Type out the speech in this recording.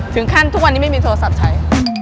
ถึงขั้นทุกวันนี้ไม่มีโทรศัพท์ใช้